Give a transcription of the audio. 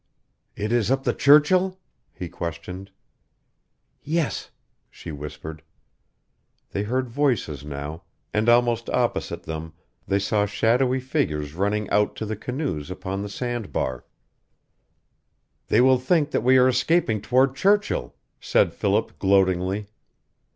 "It is up the Churchill?" he questioned. "Yes," she whispered. They heard voices now, and almost opposite them they saw shadowy figures running out to the canoes upon the sand bar. "They will think that we are escaping toward Churchill," said Philip, gloatingly.